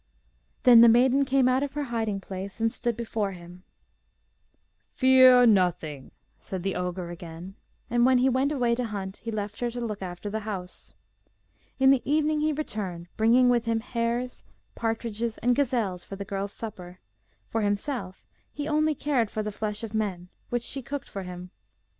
Then the maiden came out of her hiding place, and stood before him. 'Fear nothing,' said the ogre again; and when he went away to hunt he left her to look after the house. In the evening he returned, bringing with him hares, partridges, and gazelles, for the girl's supper; for himself he only cared for the flesh of men, which she cooked for him.